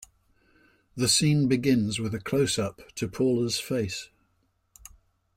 The scene begins with a closeup to Paula's face.